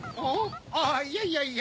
あぁいやいやいや。